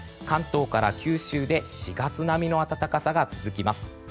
関東から九州で４月並みの暖かさが続きます。